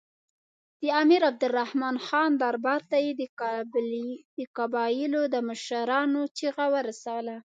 د امیر عبدالرحمن خان دربار ته یې د قبایلو د مشرانو چیغه ورسوله.